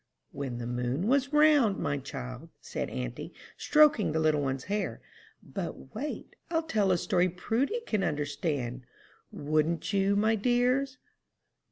"When the moon was round, my child," said auntie, stroking the little one's hair. "But wait. I'll tell a story Prudy can understand wouldn't you, my dears?